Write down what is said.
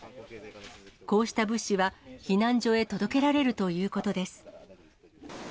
こうした物資は、避難所へ届けられるということです。